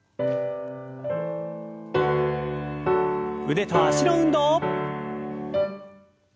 腕と脚の運動。